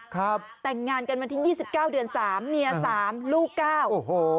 ครับแต่งงานกันวันที่ยี่สิบเก้าเดือนสามเมียสามลูกเก้าโอ้โห